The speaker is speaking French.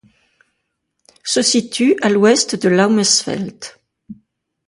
Se situe à l'ouest de Laumesfeld.